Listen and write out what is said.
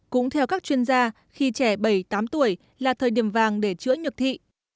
cũng theo các chuyên gia khi trẻ bảy tám tuổi là thời điểm vàng để chữa nhược thị